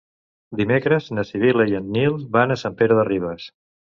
Dimecres na Sibil·la i en Nil van a Sant Pere de Ribes.